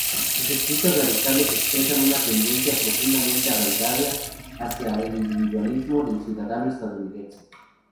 Sus escritos radicales expresan una tendencia profundamente arraigada hacia el individualismo del ciudadano estadounidense.